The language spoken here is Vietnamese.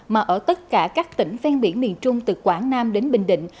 mà ở tất cả các tỉnh ven biển miền trung từ quảng nam đến bình định